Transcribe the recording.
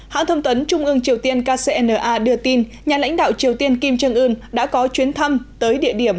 hãng thông tuấn trung ương triều tiên kcna đưa tin nhà lãnh đạo triều tiên kim jong un đã có chuyến thăm tới địa điểm